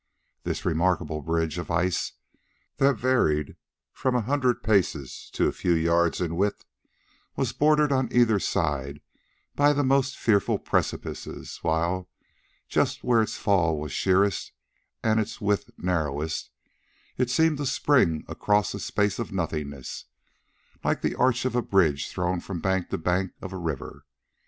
This remarkable bridge of ice—that varied from a hundred paces to a few yards in width—was bordered on either side by the most fearful precipices; while, just where its fall was sheerest and its width narrowest, it seemed to spring across a space of nothingness, like the arch of a bridge thrown from bank to bank of a river.